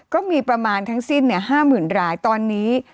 ที่มีประมาณทั้งสิ้นเนี่ย๕๐๐๐๐ล้านตอนนี้